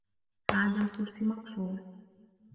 هذا الكرسي مكسور.